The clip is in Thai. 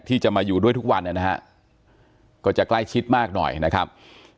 ที่จะมาอยู่ด้วยทุกวันนะฮะก็จะใกล้ชิดมากหน่อยนะครับ